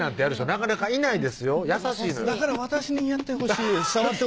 なかなかいないですよ優しいのよだから私にやってほしいです